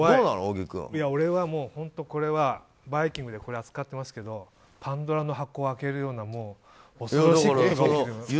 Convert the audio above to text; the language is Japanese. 俺は本当これは「バイキング」でこれを扱ってますけどパンドラの箱を開けるような、恐ろしい。